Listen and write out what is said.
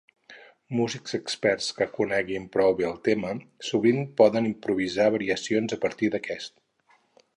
Músics experts que coneguin prou bé un tema sovint poden improvisar variacions a partir d'aquest.